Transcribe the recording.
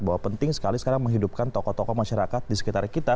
bahwa penting sekali sekarang menghidupkan tokoh tokoh masyarakat di sekitar kita